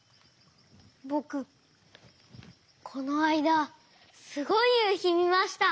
ぼくこのあいだすごいゆうひみました！